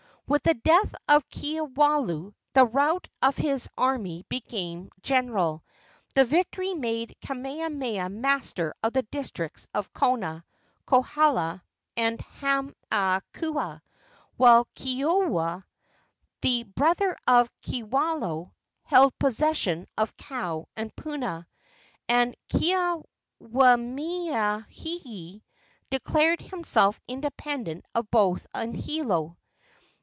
With the death of Kiwalao the rout of his army became general. The victory made Kamehameha master of the districts of Kona, Kohala and Hamakua, while Keoua, the brother of Kiwalao, held possession of Kau and Puna, and Keawemauhili declared himself independent of both in Hilo.